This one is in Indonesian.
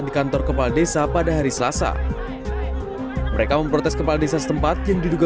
di kantor kepala desa pada hari selasa mereka memprotes kepala desa setempat yang diduga